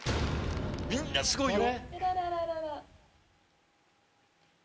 みんなすごいよ。